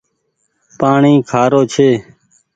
پآڻيٚ کآرو ڇي۔